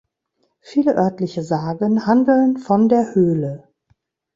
Viele örtliche Sagen handeln von der Höhle.